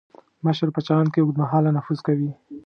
مشر په چلند کې اوږد مهاله نفوذ کوي.